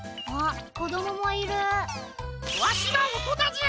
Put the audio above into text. あっ！